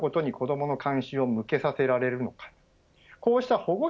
どんなことに子どもの関心を向けさせられるのか。